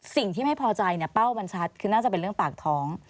สิ่งที่ไม่พอใจเนี่ยเป้ามันชัดคือน่าจะเป็นเรื่องปากท้อง